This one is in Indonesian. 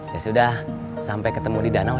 yaudah sampai ketemu di danau ya